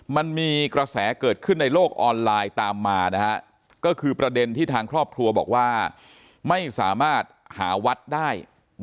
มันมีกระแสเกิดขึ้นในโลกออนไลน์ตามมาก็คือประเด็นที่ทางครอบครัวบอกว่าไม่สามารถหาวัดได้